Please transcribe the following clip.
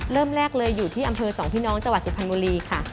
เริ่มแรกเลยอยู่ที่อำเภอสองพี่น้องจังหวัดสุพรรณบุรีค่ะ